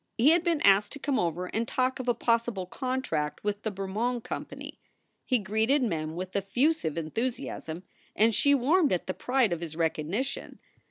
He had been asked to come over and talk of a possible contract with the Bermond Company. He greeted Mem with effusive enthusi asm, and she warmed at the pride of his recognition.